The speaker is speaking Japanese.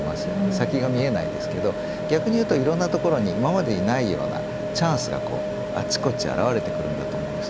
先が見えないですけど逆に言うと、いろいろなところに今までにないようなチャンスがあっちこち現れてくるんだと思うんです。